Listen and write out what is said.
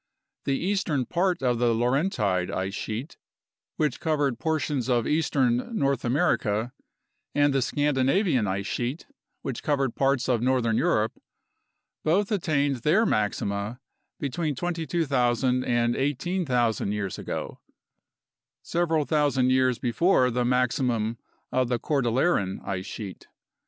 The eastern part of the Laurentide ice sheet (which covered portions of eastern North America) and the Scandinavian ice sheet (which covered parts of northern Europe) both attained their maxima between 22,000 and 18,000 years ago, several thousand years before the maximum of the Cordilleran ice sheet.